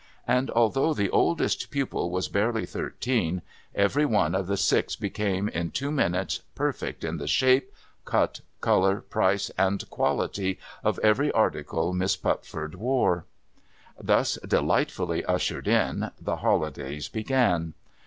And although the oldest pupil was barely thirteen, every one of the six became in two minutes perfect in the shape, cut, colour, price, and quality, of every article Miss Pupford wore. Thus delightfully ushered in, the holidays began.